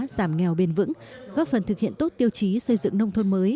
giảm nghèo bền vững góp phần thực hiện tốt tiêu chí xây dựng nông thôn mới